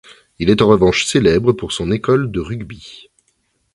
Il est en revanche célèbre pour son école de rugby.